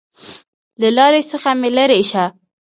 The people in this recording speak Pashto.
له لارې څخه مې لېرې شه!